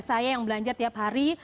saya yang belanja tiap hari